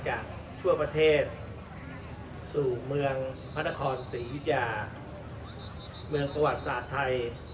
จากทั่วประเทศสู่เมืองพระนครศรียุธยาเมืองประวัติศาสตร์ไทย